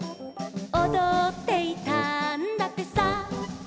「おどっていたんだってさ」